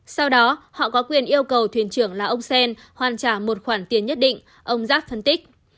sau đó họ có quyền yêu cầu thuyền trưởng là ông sen hoàn trả một khoản tiền nhất định ông giáp phân tích